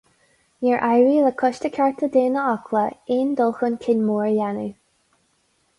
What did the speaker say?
Níor éirigh le Coiste Cearta Daonna Acla aon dul chun cinn mór a dhéanamh.